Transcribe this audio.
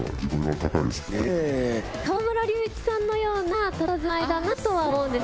河村隆一さんのようなたたずまいだなとは思うんです。